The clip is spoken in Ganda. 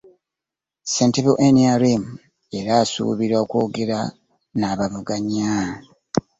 Ssentebe wa NRM era asuubirwa okwogera n'abavuganya.